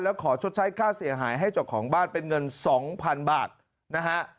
แล้วขอชดใช้ค่าเสียหายให้เจ้าของบ้านเป็นเงิน๒๐๐๐บาทนะฮะ